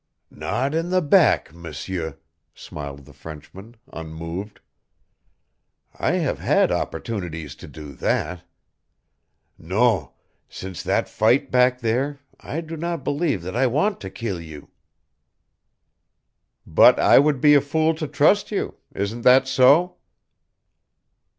"Not in the back, M'seur," smiled the Frenchman, unmoved. "I have had opportunities to do that. Non, since that fight back there I do not believe that I want to kill you." "But I would be a fool to trust you. Isn't that so?"